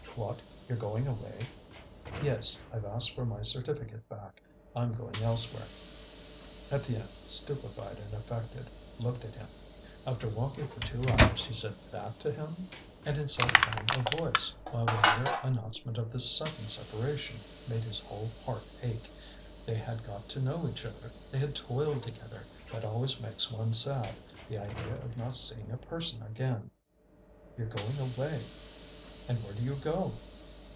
"What! you're going away?" "Yes, I've asked for my certificate back. I'm going elsewhere." Étienne, stupefied and affected, looked at him. After walking for two hours he said that to him! And in so calm a voice, while the mere announcement of this sudden separation made his own heart ache. They had got to know each other, they had toiled together; that always makes one sad, the idea of not seeing a person again. "You're going away! And where do you go?"